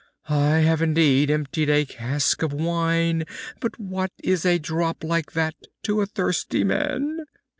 I have indeed emptied a cask of wine, but what is a drop like that to a thirsty man?"